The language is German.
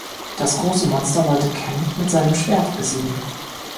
Das große Monster wollte Ken mit seinem Schwert besiegen.